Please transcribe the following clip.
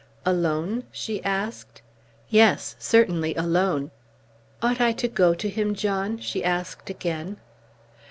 "Alone?" she asked. "Yes, certainly alone." "Ought I to go to him, John?" she asked again.